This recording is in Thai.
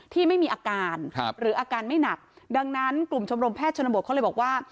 ที่ไม่มีอาการครับหรืออาการไม่หนักดังนั้นกลุ่มชมรมแพทย์ชนบทเขาเลยบอกว่า